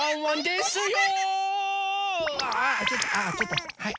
ああちょっとはい。